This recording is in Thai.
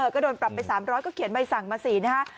ก็โดนปรับไป๓๐๐ก็เขียนใบสั่งมา๔นะฮะ